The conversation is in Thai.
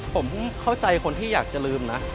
ผมเข้าใจคนที่อยากจะลืมนะ